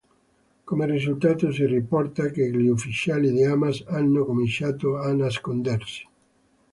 Come risultato, si riporta che gli ufficiali di Hamas hanno cominciato a nascondersi.